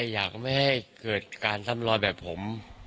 อยากไม่ให้เกิดการซ้ำรอยแบบผม